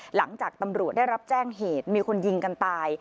หลังจากตำรวจได้รับแจ้งเหตุมีคนยิงกันตาย